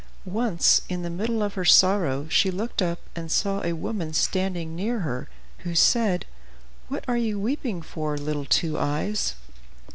Once, in the midst of her sorrow she looked up, and saw a woman standing near her who said, "What are you weeping for, little Two Eyes?"